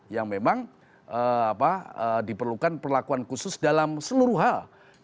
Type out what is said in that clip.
yang memang diperlukan perlakuan khusus dalam seluruh hal